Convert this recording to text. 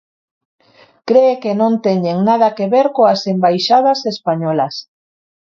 Cree que non teñen nada que ver coas embaixadas españolas.